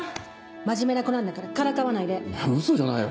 真面目な子なんだからからかわないでウソじゃないよ